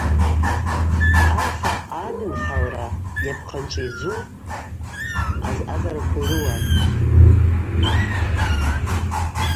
Айха адынхалра – йапхъанчӏвийдзу азъазараква йрыуапӏ.